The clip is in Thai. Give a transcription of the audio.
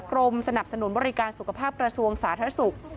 กรมสนับสนุนบริการสุขภาพกระทรวงสาธารณสุข